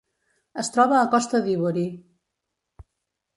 Es troba a Costa d'Ivori.